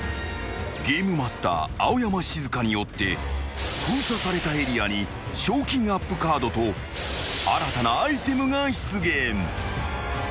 ［ゲームマスター青山シズカによって封鎖されたエリアに賞金アップカードと新たなアイテムが出現］